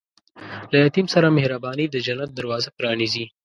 له یتیم سره مهرباني، د جنت دروازه پرانیزي.